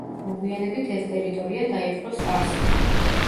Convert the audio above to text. მოგვიანებით ეს ტერიტორია დაიპყრო სპარსეთმა.